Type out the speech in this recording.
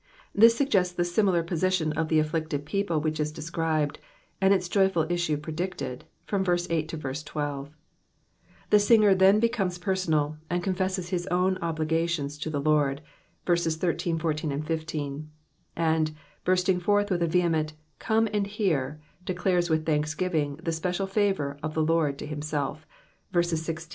This suggests the similar position of (he afflicted people which is de scribed, and its joyful issue predided. from verse 8 to verse 12. llie singer then becomes personal, and confesses his own obligations to (he Lord {verses 13, 14, 15)/ and, Imrsting foHh wi(h a vehement ''Come and hear," declares icith thoTiksgimng the special farx>ur cf Vie Lord to himself, verses 1(5—20.